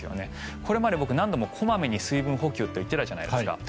これまで僕、何度も小まめに水分補給と言っていたじゃないですか。